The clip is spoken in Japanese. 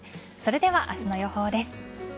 それでは明日の予報です。